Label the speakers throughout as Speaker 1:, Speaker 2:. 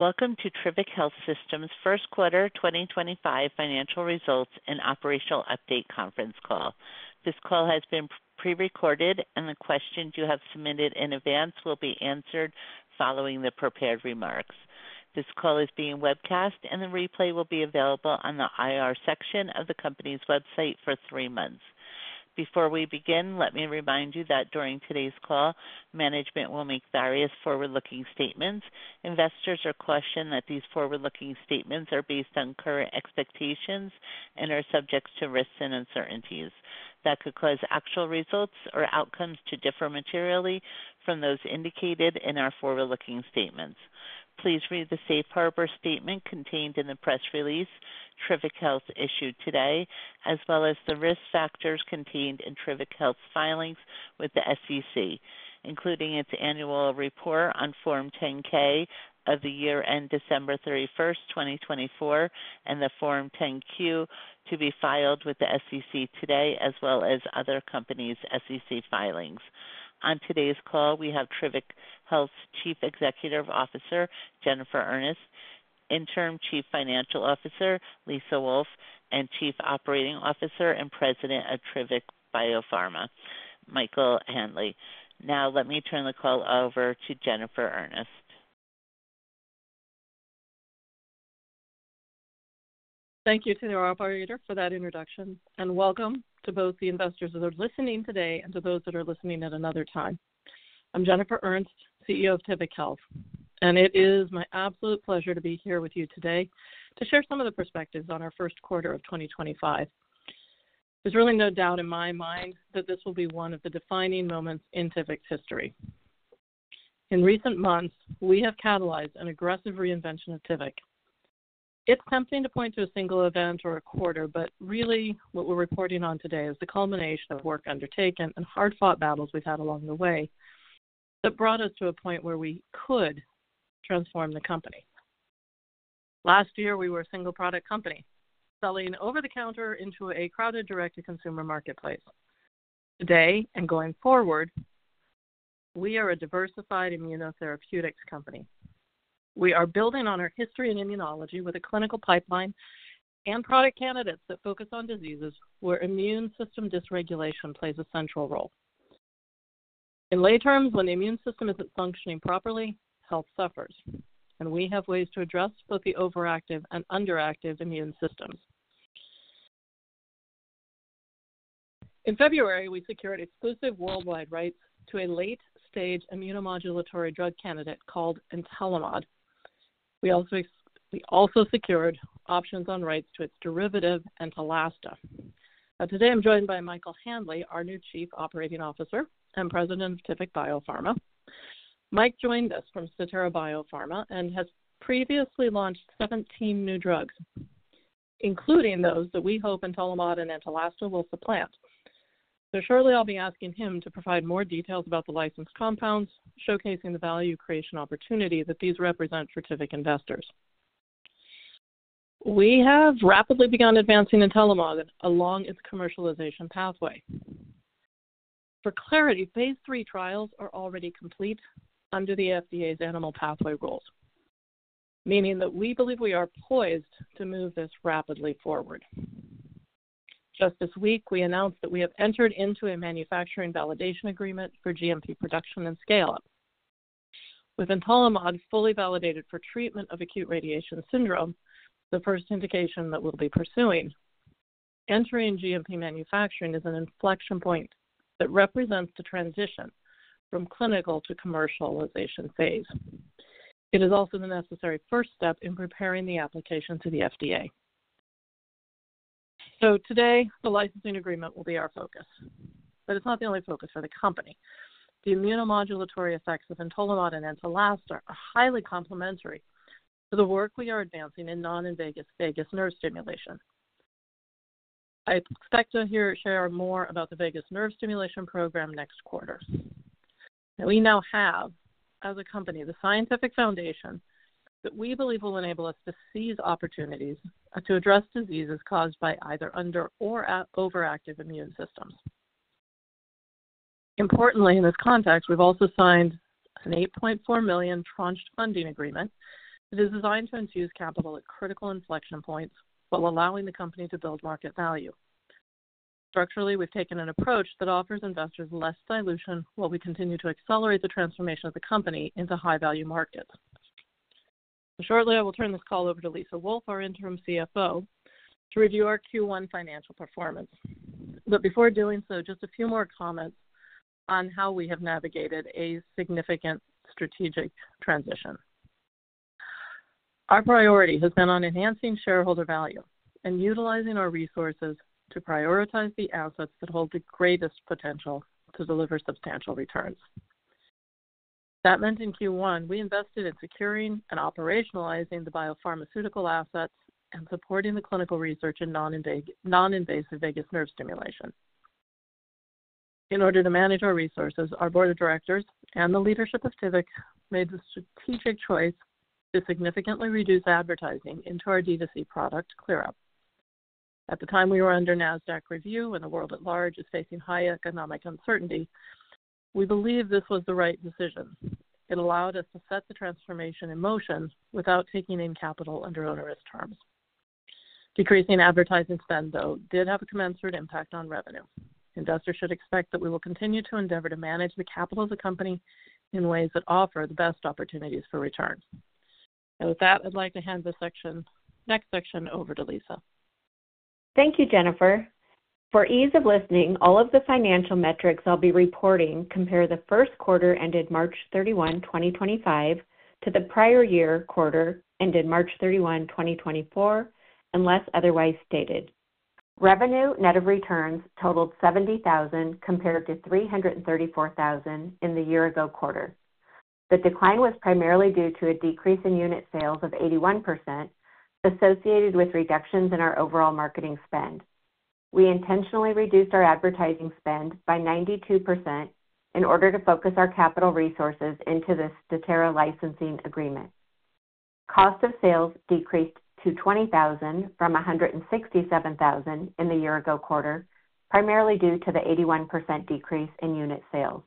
Speaker 1: Welcome to Tivic Health Systems' first quarter 2025 financial results and operational update conference call. This call has been pre-recorded, and the questions you have submitted in advance will be answered following the prepared remarks. This call is being webcast, and the replay will be available on the IR section of the company's website for three months. Before we begin, let me remind you that during today's call, management will make various forward-looking statements. Investors are cautioned that these forward-looking statements are based on current expectations and are subject to risks and uncertainties that could cause actual results or outcomes to differ materially from those indicated in our forward-looking statements. Please read the safe harbor statement contained in the press release Tivic Health issued today, as well as the risk factors contained in Tivic Health's filings with the SEC, including its annual report on Form 10-K for the year end December 31, 2024, and the Form 10-Q to be filed with the SEC today, as well as other companies' SEC filings. On today's call, we have Tivic Health's Chief Executive Officer, Jennifer Ernst, Interim Chief Financial Officer, Lisa Wolf, and Chief Operating Officer and President of Tivic Biopharma, Michael Handley. Now, let me turn the call over to Jennifer Ernst.
Speaker 2: Thank you to the op-editor for that introduction, and welcome to both the investors that are listening today and to those that are listening at another time. I'm Jennifer Ernst, CEO of Tivic Health, and it is my absolute pleasure to be here with you today to share some of the perspectives on our first quarter of 2025. There's really no doubt in my mind that this will be one of the defining moments in Tivic's history. In recent months, we have catalyzed an aggressive reinvention of Tivic. It's tempting to point to a single event or a quarter, but really what we're reporting on today is the culmination of work undertaken and hard-fought battles we've had along the way that brought us to a point where we could transform the company. Last year, we were a single-product company, selling over-the-counter into a crowded direct-to-consumer marketplace. Today, and going forward, we are a diversified immunotherapeutics company. We are building on our history in immunology with a clinical pipeline and product candidates that focus on diseases where immune system dysregulation plays a central role. In lay terms, when the immune system isn't functioning properly, health suffers, and we have ways to address both the overactive and underactive immune systems. In February, we secured exclusive worldwide rights to a late-stage immunomodulatory drug candidate called Entolimod. We also secured options on rights to its derivative, Entalasta. Now, today I'm joined by Michael Handley, our new Chief Operating Officer and President of Tivic Biopharma. Mike joined us from Sotero Biopharma and has previously launched 17 new drugs, including those that we hope Entolimod and Entalasta will supplant. Surely I'll be asking him to provide more details about the licensed compounds, showcasing the value creation opportunity that these represent for Tivic investors. We have rapidly begun advancing Entolimod along its commercialization pathway. For clarity, phase three trials are already complete under the FDA's animal pathway rules, meaning that we believe we are poised to move this rapidly forward. Just this week, we announced that we have entered into a manufacturing validation agreement for GMP production and scale-up. With Entolimod fully validated for treatment of acute radiation syndrome, the first indication that we'll be pursuing, entering GMP manufacturing is an inflection point that represents the transition from clinical to commercialization phase. It is also the necessary first step in preparing the application to the FDA. Today, the licensing agreement will be our focus, but it's not the only focus for the company. The immunomodulatory effects of Entolimod and Entalasta are highly complementary to the work we are advancing in non-invasive vagus nerve stimulation. I expect to share more about the vagus nerve stimulation program next quarter. Now, we now have, as a company, the scientific foundation that we believe will enable us to seize opportunities to address diseases caused by either under- or overactive immune systems. Importantly, in this context, we've also signed an $8.4 million tranche funding agreement that is designed to infuse capital at critical inflection points while allowing the company to build market value. Structurally, we've taken an approach that offers investors less dilution while we continue to accelerate the transformation of the company into high-value markets. Shortly, I will turn this call over to Lisa Wolf, our Interim Chief Financial Officer, to review our Q1 financial performance. Before doing so, just a few more comments on how we have navigated a significant strategic transition. Our priority has been on enhancing shareholder value and utilizing our resources to prioritize the assets that hold the greatest potential to deliver substantial returns. That meant in Q1, we invested in securing and operationalizing the biopharmaceutical assets and supporting the clinical research in non-invasive vagus nerve stimulation. In order to manage our resources, our board of directors and the leadership of Tivic made the strategic choice to significantly reduce advertising into our D2C product, ClearUp. At the time we were under NASDAQ review and the world at large is facing high economic uncertainty, we believe this was the right decision. It allowed us to set the transformation in motion without taking in capital under onerous terms. Decreasing advertising spend, though, did have a commensurate impact on revenue. Investors should expect that we will continue to endeavor to manage the capital of the company in ways that offer the best opportunities for return. With that, I'd like to hand this next section over to Lisa.
Speaker 3: Thank you, Jennifer. For ease of listening, all of the financial metrics I'll be reporting compare the first quarter ended March 31, 2025, to the prior year quarter ended March 31, 2024, unless otherwise stated. Revenue net of returns totaled $70,000 compared to $334,000 in the year-ago quarter. The decline was primarily due to a decrease in unit sales of 81% associated with reductions in our overall marketing spend. We intentionally reduced our advertising spend by 92% in order to focus our capital resources into this Statera licensing agreement. Cost of sales decreased to $20,000 from $167,000 in the year-ago quarter, primarily due to the 81% decrease in unit sales.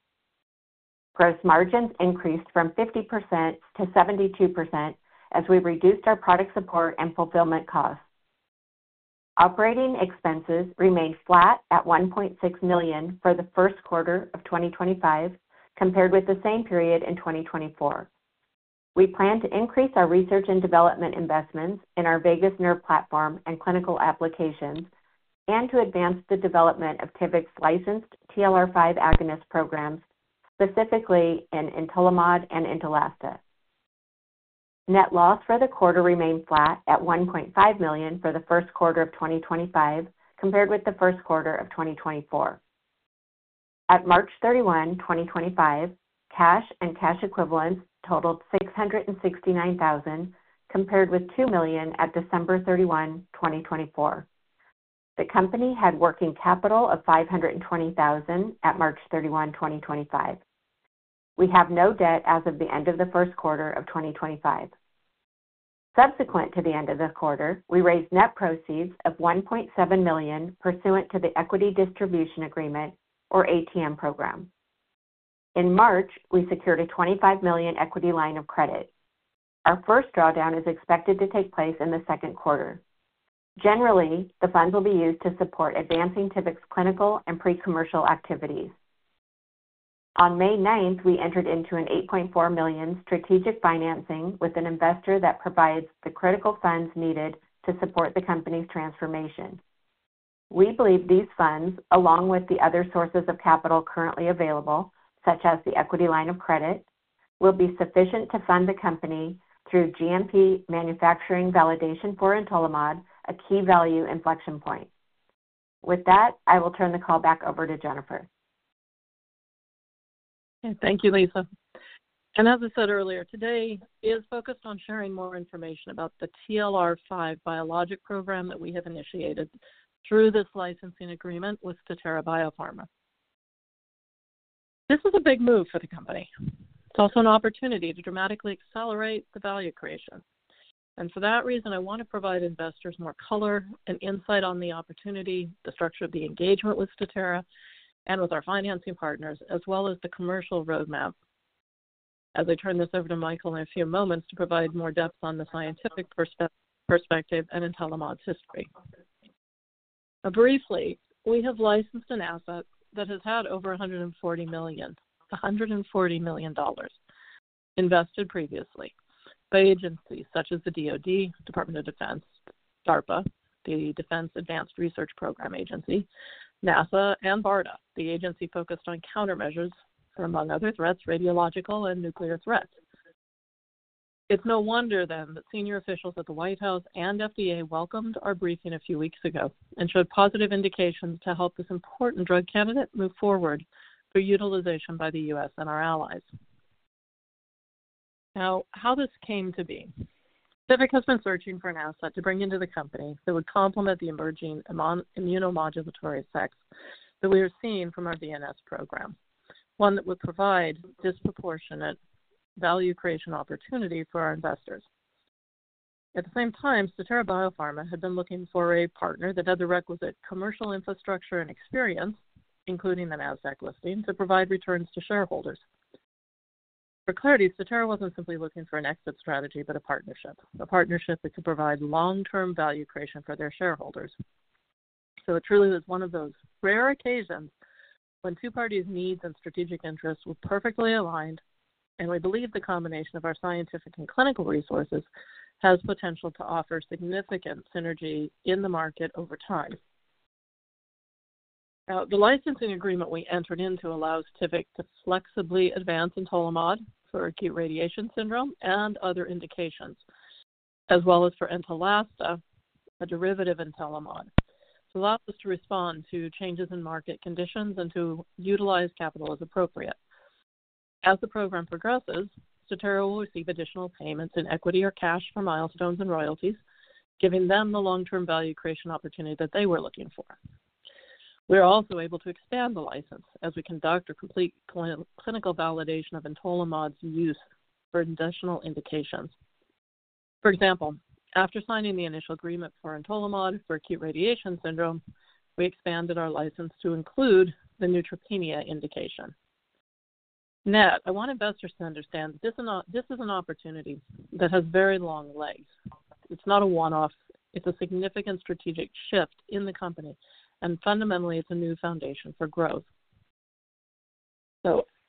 Speaker 3: Gross margins increased from 50% to 72% as we reduced our product support and fulfillment costs. Operating expenses remained flat at $1.6 million for the first quarter of 2025, compared with the same period in 2024. We plan to increase our research and development investments in our vagus nerve platform and clinical applications and to advance the development of Tivic's licensed TLR5 agonist programs, specifically in Entolimod and Entalasta. Net loss for the quarter remained flat at $1.5 million for the first quarter of 2025, compared with the first quarter of 2024. At March 31, 2025, cash and cash equivalents totaled $669,000, compared with $2 million at December 31, 2024. The company had working capital of $520,000 at March 31, 2025. We have no debt as of the end of the first quarter of 2025. Subsequent to the end of the quarter, we raised net proceeds of $1.7 million pursuant to the equity distribution agreement, or ATM program. In March, we secured a $25 million equity line of credit. Our first drawdown is expected to take place in the second quarter. Generally, the funds will be used to support advancing Tivic's clinical and pre-commercial activities. On May 9th, we entered into an $8.4 million strategic financing with an investor that provides the critical funds needed to support the company's transformation. We believe these funds, along with the other sources of capital currently available, such as the equity line of credit, will be sufficient to fund the company through GMP manufacturing validation for Entolimod, a key value inflection point. With that, I will turn the call back over to Jennifer.
Speaker 2: Thank you, Lisa. As I said earlier, today is focused on sharing more information about the TLR5 biologic program that we have initiated through this licensing agreement with Statera Biopharma. This is a big move for the company. It is also an opportunity to dramatically accelerate the value creation. For that reason, I want to provide investors more color and insight on the opportunity, the structure of the engagement with Statera and with our financing partners, as well as the commercial roadmap. I will turn this over to Michael in a few moments to provide more depth on the scientific perspective and Entolimod's history. Now, briefly, we have licensed an asset that has had over $140 million, $140 million invested previously by agencies such as the DOD, Department of Defense, DARPA, the Defense Advanced Research Projects Agency, NASA, and BARDA, the agency focused on countermeasures for, among other threats, radiological and nuclear threats. It's no wonder then that senior officials at the White House and FDA welcomed our briefing a few weeks ago and showed positive indications to help this important drug candidate move forward for utilization by the U.S. and our allies. Now, how this came to be? Tivic has been searching for an asset to bring into the company that would complement the emerging immunomodulatory effects that we are seeing from our DNS program, one that would provide disproportionate value creation opportunity for our investors. At the same time, Statera Biopharma had been looking for a partner that had the requisite commercial infrastructure and experience, including the NASDAQ listing, to provide returns to shareholders. For clarity, Statera wasn't simply looking for an exit strategy, but a partnership, a partnership that could provide long-term value creation for their shareholders. It truly was one of those rare occasions when two parties' needs and strategic interests were perfectly aligned, and we believe the combination of our scientific and clinical resources has potential to offer significant synergy in the market over time. Now, the licensing agreement we entered into allows Tivic to flexibly advance Entolimod for acute radiation syndrome and other indications, as well as for Entalasta, a derivative of Entolimod, to allow us to respond to changes in market conditions and to utilize capital as appropriate. As the program progresses, Statera will receive additional payments in equity or cash for milestones and royalties, giving them the long-term value creation opportunity that they were looking for. We are also able to expand the license as we conduct or complete clinical validation of Entolimod's use for additional indications. For example, after signing the initial agreement for Entolimod for acute radiation syndrome, we expanded our license to include the neutropenia indication. Now, I want investors to understand that this is an opportunity that has very long legs. It's not a one-off. It's a significant strategic shift in the company, and fundamentally, it's a new foundation for growth.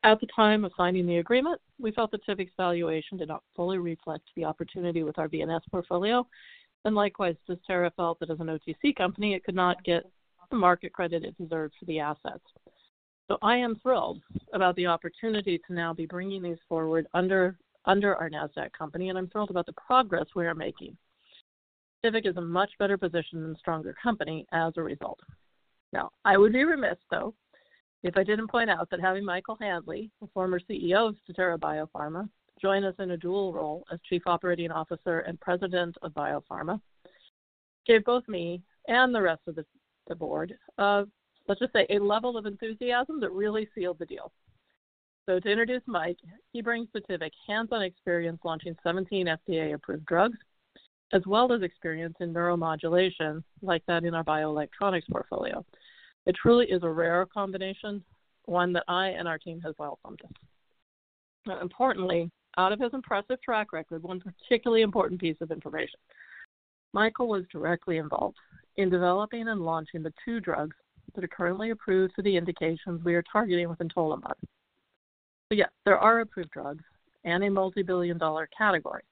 Speaker 2: At the time of signing the agreement, we felt that Tivic's valuation did not fully reflect the opportunity with our DNS portfolio. Likewise, Statera felt that as an OTC company, it could not get the market credit it deserved for the assets. I am thrilled about the opportunity to now be bringing these forward under our NASDAQ company, and I'm thrilled about the progress we are making. Tivic is in a much better position and stronger company as a result. I would be remiss, though, if I did not point out that having Michael Handley, the former CEO of Statera Biopharma, join us in a dual role as Chief Operating Officer and President of Biopharma gave both me and the rest of the board of, let's just say, a level of enthusiasm that really sealed the deal. To introduce Mike, he brings to Tivic hands-on experience launching 17 FDA-approved drugs, as well as experience in neuromodulation like that in our bioelectronics portfolio. It truly is a rare combination, one that I and our team have welcomed. Now, importantly, out of his impressive track record, one particularly important piece of information: Michael was directly involved in developing and launching the two drugs that are currently approved for the indications we are targeting with Entolimod. Yes, there are approved drugs and a multi-billion dollar category,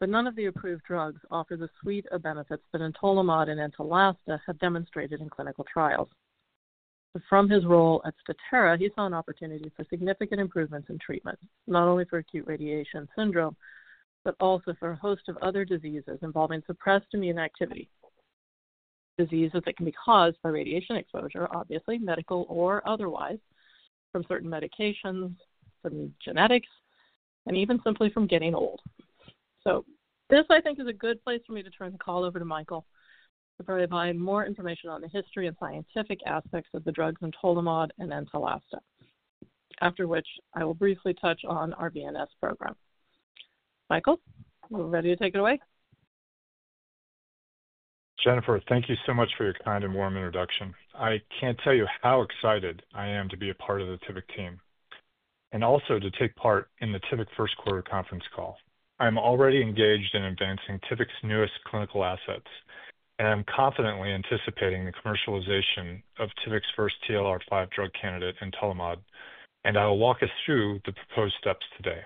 Speaker 2: but none of the approved drugs offer the suite of benefits that Entolimod and Entalasta have demonstrated in clinical trials. From his role at Statera, he saw an opportunity for significant improvements in treatment, not only for acute radiation syndrome, but also for a host of other diseases involving suppressed immune activity, diseases that can be caused by radiation exposure, obviously, medical or otherwise, from certain medications, certain genetics, and even simply from getting old. So this, I think, is a good place for me to turn the call over to Michael to provide more information on the history and scientific aspects of the drugs Entolimod and Entalasta, after which I will briefly touch on our VNS program. Michael, are we ready to take it away?
Speaker 4: Jennifer, thank you so much for your kind and warm introduction. I can't tell you how excited I am to be a part of the Tivic team and also to take part in the Tivic first quarter conference call. I am already engaged in advancing Tivic's newest clinical assets, and I'm confidently anticipating the commercialization of Tivic's first TLR5 drug candidate, Entolimod, and I will walk us through the proposed steps today.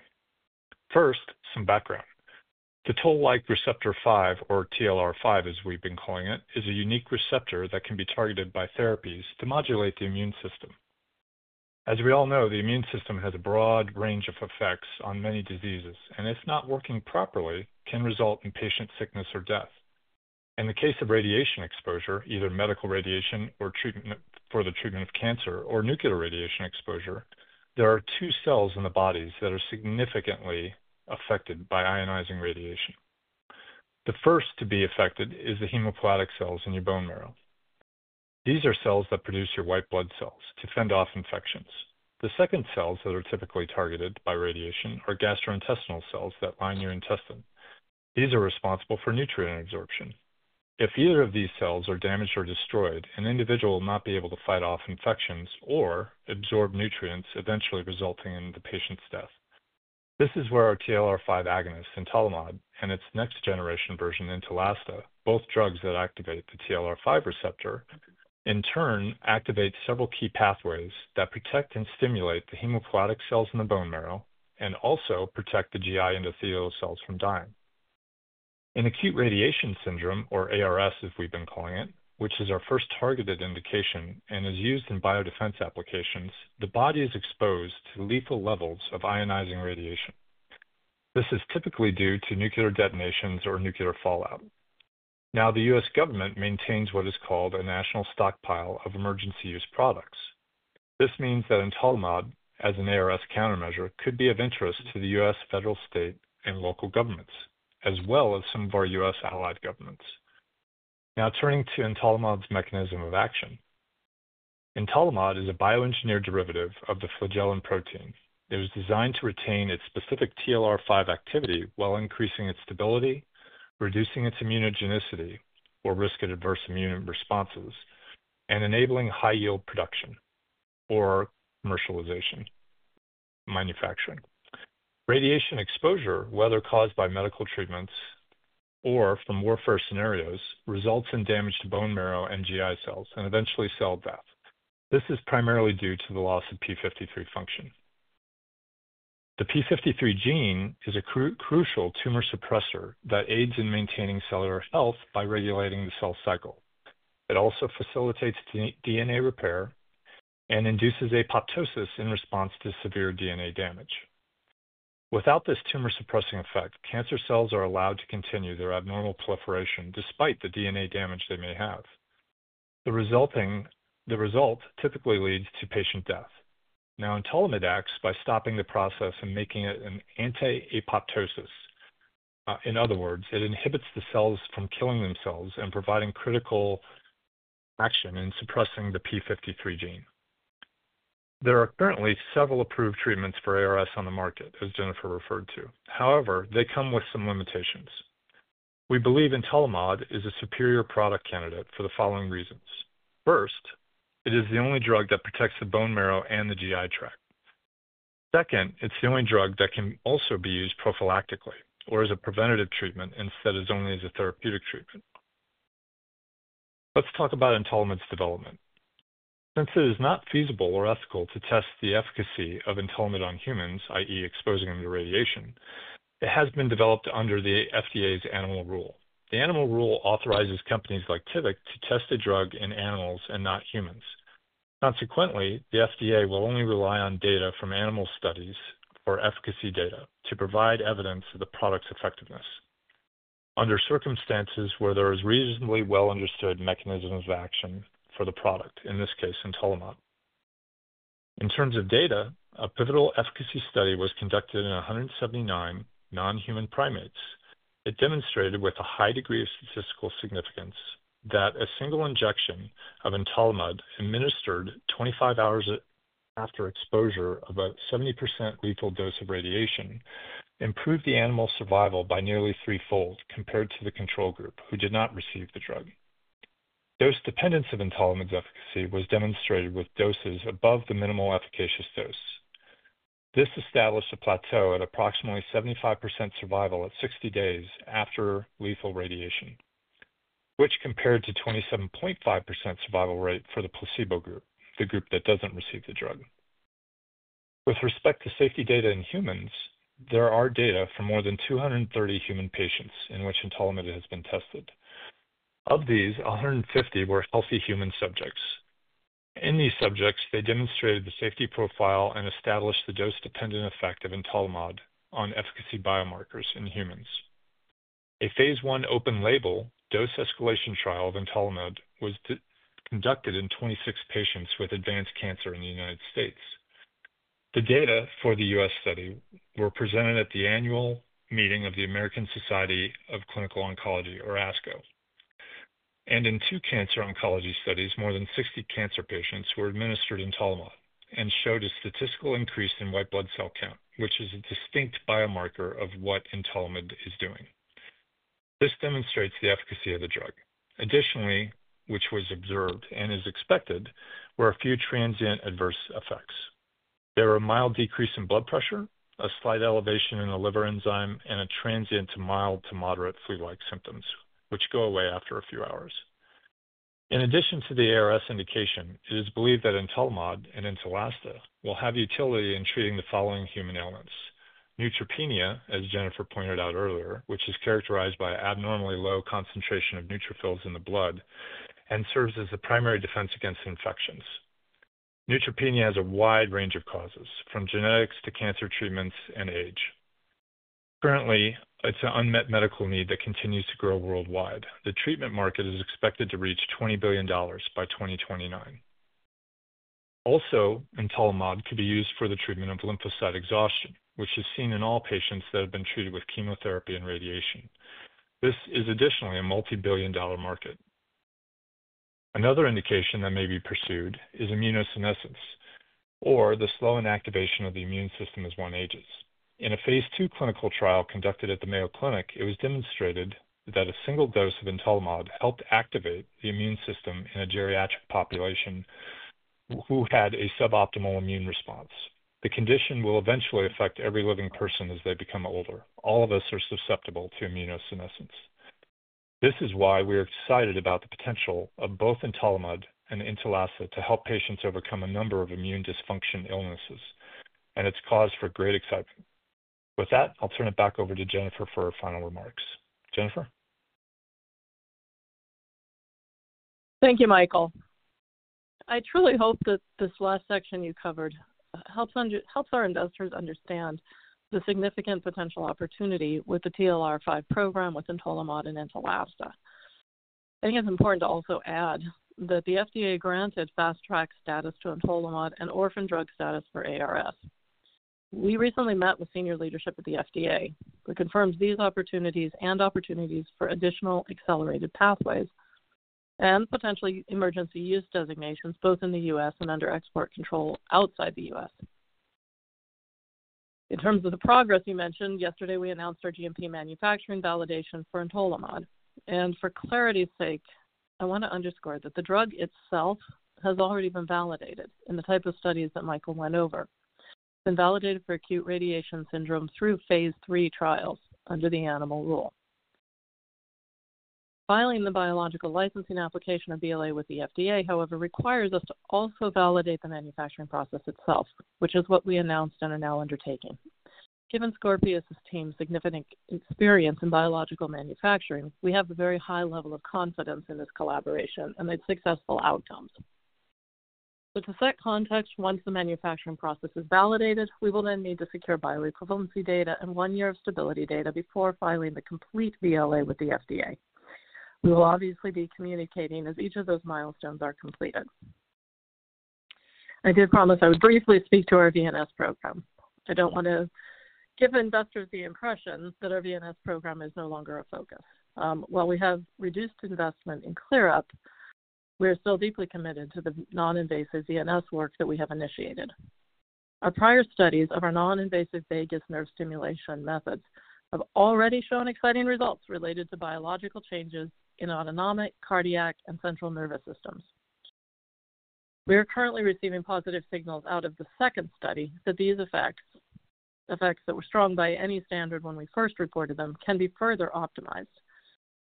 Speaker 4: First, some background. The toll-like receptor 5, or TLR5, as we've been calling it, is a unique receptor that can be targeted by therapies to modulate the immune system. As we all know, the immune system has a broad range of effects on many diseases, and if not working properly, can result in patient sickness or death. In the case of radiation exposure, either medical radiation or treatment for the treatment of cancer or nuclear radiation exposure, there are two cells in the bodies that are significantly affected by ionizing radiation. The first to be affected is the hematopoietic cells in your bone marrow. These are cells that produce your white blood cells to fend off infections. The second cells that are typically targeted by radiation are gastrointestinal cells that line your intestine. These are responsible for nutrient absorption. If either of these cells are damaged or destroyed, an individual will not be able to fight off infections or absorb nutrients, eventually resulting in the patient's death. This is where our TLR5 agonist, Entolimod, and its next generation version, Entalasta, both drugs that activate the TLR5 receptor, in turn, activate several key pathways that protect and stimulate the hematopoietic cells in the bone marrow and also protect the GI endothelial cells from dying. In acute radiation syndrome, or ARS, as we've been calling it, which is our first targeted indication and is used in biodefense applications, the body is exposed to lethal levels of ionizing radiation. This is typically due to nuclear detonations or nuclear fallout. Now, the U.S. government maintains what is called a national stockpile of emergency use products. This means that Entolimod, as an ARS countermeasure, could be of interest to the U.S. federal, state, and local governments, as well as some of our U.S. allied governments. Now, turning to Entolimod's mechanism of action. Entolimod is a bioengineered derivative of the flagellin protein. It is designed to retain its specific TLR5 activity while increasing its stability, reducing its immunogenicity, or risk at adverse immune responses, and enabling high-yield production or commercialization, manufacturing. Radiation exposure, whether caused by medical treatments or from warfare scenarios, results in damage to bone marrow and GI cells and eventually cell death. This is primarily due to the loss of P53 function. The P53 gene is a crucial tumor suppressor that aids in maintaining cellular health by regulating the cell cycle. It also facilitates DNA repair and induces apoptosis in response to severe DNA damage. Without this tumor-suppressing effect, cancer cells are allowed to continue their abnormal proliferation despite the DNA damage they may have. The result typically leads to patient death. Now, Entolimod acts by stopping the process and making it an anti-apoptosis. In other words, it inhibits the cells from killing themselves and providing critical action in suppressing the P53 gene. There are currently several approved treatments for ARS on the market, as Jennifer referred to. However, they come with some limitations. We believe Entolimod is a superior product candidate for the following reasons. First, it is the only drug that protects the bone marrow and the GI tract. Second, it's the only drug that can also be used prophylactically or as a preventative treatment instead of only as a therapeutic treatment. Let's talk about Entolimod's development. Since it is not feasible or ethical to test the efficacy of Entolimodon humans, i.e., exposing them to radiation, it has been developed under the FDA's animal rule. The animal rule authorizes companies like Tivic to test a drug in animals and not humans. Consequently, the FDA will only rely on data from animal studies for efficacy data to provide evidence of the product's effectiveness under circumstances where there are reasonably well-understood mechanisms of action for the product, in this case, Entolimod. In terms of data, a pivotal efficacy study was conducted in 179 non-human primates. It demonstrated, with a high degree of statistical significance, that a single injection of Entolimod administered 25 hours after exposure of a 70% lethal dose of radiation improved the animal survival by nearly threefold compared to the control group who did not receive the drug. Dose dependence of Entolimod's efficacy was demonstrated with doses above the minimal efficacious dose. This established a plateau at approximately 75% survival at 60 days after lethal radiation, which compared to 27.5% survival rate for the placebo group, the group that doesn't receive the drug. With respect to safety data in humans, there are data for more than 230 human patients in which Entolimod has been tested. Of these, 150 were healthy human subjects. In these subjects, they demonstrated the safety profile and established the dose-dependent effect of Entolimod on efficacy biomarkers in humans. A phase one open-label dose escalation trial of Entolimod was conducted in 26 patients with advanced cancer in the United States. The data for the U.S. study were presented at the annual meeting of the American Society of Clinical Oncology, or ASCO. In two cancer oncology studies, more than 60 cancer patients were administered Entolimod and showed a statistical increase in white blood cell count, which is a distinct biomarker of what Entolimod is doing. This demonstrates the efficacy of the drug. Additionally, which was observed and is expected, were a few transient adverse effects. There were a mild decrease in blood pressure, a slight elevation in the liver enzyme, and a transient to mild to moderate flu-like symptoms, which go away after a few hours. In addition to the ARS indication, it is believed that Entolimod and Entalasta will have utility in treating the following human ailments: neutropenia, as Jennifer pointed out earlier, which is characterized by abnormally low concentration of neutrophils in the blood and serves as the primary defense against infections. Neutropenia has a wide range of causes, from genetics to cancer treatments and age. Currently, it's an unmet medical need that continues to grow worldwide. The treatment market is expected to reach $20 billion by 2029. Also, Entolimod could be used for the treatment of lymphocyte exhaustion, which is seen in all patients that have been treated with chemotherapy and radiation. This is additionally a multi-billion dollar market. Another indication that may be pursued is immunosenescence or the slow inactivation of the immune system as one ages. In a phase two clinical trial conducted at the Mayo Clinic, it was demonstrated that a single dose of Entolimod helped activate the immune system in a geriatric population who had a suboptimal immune response. The condition will eventually affect every living person as they become older. All of us are susceptible to immunosenescence. This is why we are excited about the potential of both Entolimod and Entalasta to help patients overcome a number of immune dysfunction illnesses, and it's caused for great excitement. With that, I'll turn it back over to Jennifer for her final remarks. Jennifer?
Speaker 2: Thank you, Michael. I truly hope that this last section you covered helps our investors understand the significant potential opportunity with the TLR5 program with Entolimod and Entalasta. I think it's important to also add that the FDA granted fast-track status to Entolimod and orphan drug status for ARS. We recently met with senior leadership at the FDA, who confirmed these opportunities and opportunities for additional accelerated pathways and potentially emergency use designations both in the U.S. and under export control outside the U.S. In terms of the progress you mentioned, yesterday we announced our GMP manufacturing validation for Entolimod. For clarity's sake, I want to underscore that the drug itself has already been validated in the type of studies that Michael went over. It's been validated for acute radiation syndrome through phase three trials under the animal rule. Filing the Biological Licensing Application or BLA with the FDA, however, requires us to also validate the manufacturing process itself, which is what we announced and are now undertaking. Given Statera's team's significant experience in biological manufacturing, we have a very high level of confidence in this collaboration and its successful outcomes. With the set context, once the manufacturing process is validated, we will then need to secure bioequivalency data and one year of stability data before filing the complete BLA with the FDA. We will obviously be communicating as each of those milestones are completed. I did promise I would briefly speak to our VNS program. I do not want to give investors the impression that our VNS program is no longer a focus. While we have reduced investment in ClearUP, we are still deeply committed to the non-invasive VNS work that we have initiated. Our prior studies of our non-invasive vagus nerve stimulation methods have already shown exciting results related to biological changes in autonomic, cardiac, and central nervous systems. We are currently receiving positive signals out of the second study that these effects, effects that were strong by any standard when we first reported them, can be further optimized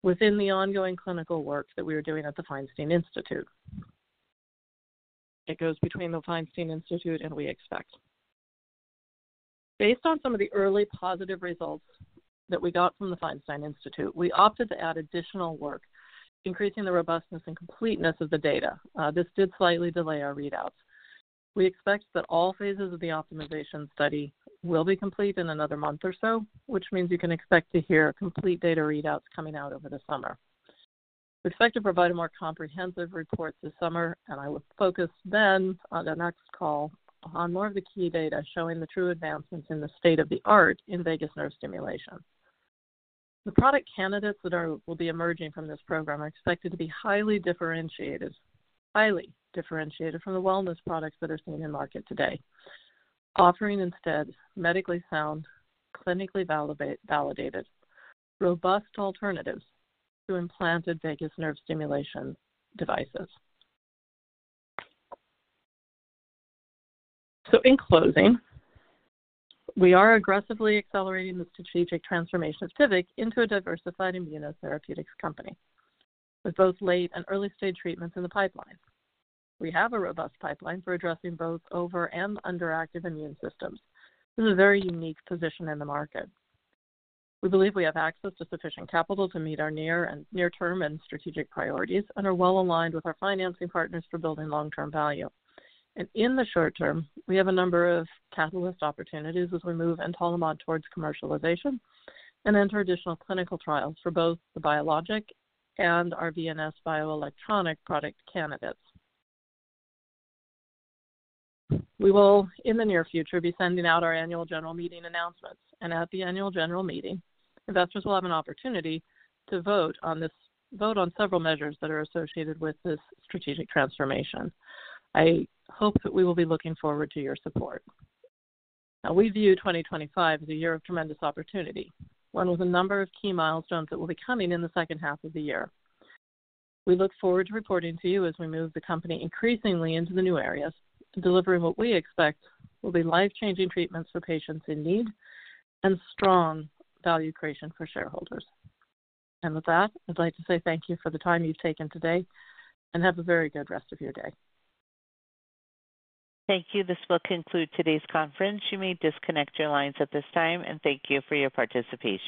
Speaker 2: within the ongoing clinical work that we are doing at The Feinstein Institute. It goes between The Feinstein Institute and we expect. Based on some of the early positive results that we got from The Feinstein Institute, we opted to add additional work, increasing the robustness and completeness of the data. This did slightly delay our readouts. We expect that all phases of the optimization study will be complete in another month or so, which means you can expect to hear complete data readouts coming out over the summer. We expect to provide a more comprehensive report this summer, and I will focus then on the next call on more of the key data showing the true advancements in the state of the art in vagus nerve stimulation. The product candidates that will be emerging from this program are expected to be highly differentiated, highly differentiated from the wellness products that are seen in the market today, offering instead medically sound, clinically validated, robust alternatives to implanted vagus nerve stimulation devices. In closing, we are aggressively accelerating the strategic transformation of Tivic into a diversified immunotherapeutics company with both late and early stage treatments in the pipeline. We have a robust pipeline for addressing both over and underactive immune systems. This is a very unique position in the market. We believe we have access to sufficient capital to meet our near-term and strategic priorities and are well aligned with our financing partners for building long-term value. In the short term, we have a number of catalyst opportunities as we move Entolimod towards commercialization and enter additional clinical trials for both the biologic and our VNS bioelectronic product candidates. We will, in the near future, be sending out our annual general meeting announcements. At the annual general meeting, investors will have an opportunity to vote on several measures that are associated with this strategic transformation. I hope that we will be looking forward to your support. We view 2025 as a year of tremendous opportunity, one with a number of key milestones that will be coming in the second half of the year. We look forward to reporting to you as we move the company increasingly into the new areas, delivering what we expect will be life-changing treatments for patients in need and strong value creation for shareholders. I would like to say thank you for the time you've taken today and have a very good rest of your day.
Speaker 1: Thank you. This will conclude today's conference. You may disconnect your lines at this time, and thank you for your participation.